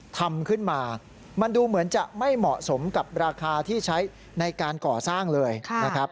ทำขึ้นมามันดูเหมือนจะไม่เหมาะสมกับราคาที่ใช้ในการก่อสร้างเลยนะครับ